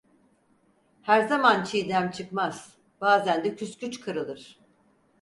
Her zaman çiğdem çıkmaz; bazen de küsküç kırılır.